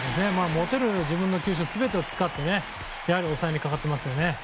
持てる自分の球種全てを使って抑えにかかってます。